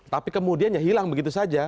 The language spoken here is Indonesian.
tapi kemudiannya hilang begitu saja